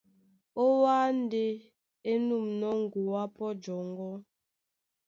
Ó Wâ ndé á nûmnɔ́ ŋgoá pɔ́ jɔŋgɔ́,